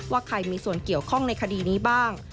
ว่าใครมีส่วนเกี่ยวข้องในคดีนี้บ้าง